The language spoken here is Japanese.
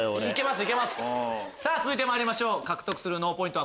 続いてまいりましょう獲得する脳ポイント